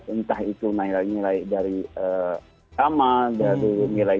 entah itu nilai dari kamar nilai nilai